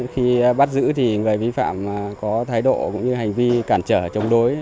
khi bắt giữ thì người vi phạm có thái độ cũng như hành vi cản trở chống đối